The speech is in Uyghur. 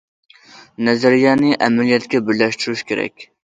نەزەرىيەنى ئەمەلىيەتكە بىرلەشتۈرۈش كېرەك.